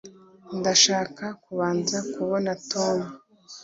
ndashaka kubanza kubona tom